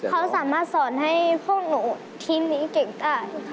เขาสามารถสอนให้พวกหนูทีมนี้เก่งได้